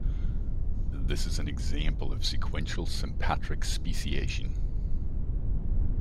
This is an example of sequential sympatric speciation.